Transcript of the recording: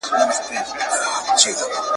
چي په خوب کي او په ویښه مي لیدله ,